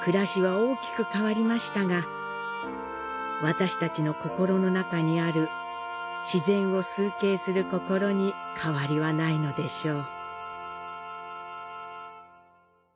私たちの心の中にある、自然を崇敬する心に変わりはないのでしょう。